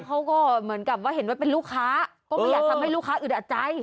เขาก็เหมือนกับว่าเห็นว่าเป็นลูกค้าก็ไม่อยากทำให้ลูกค้าอึดอัดใจ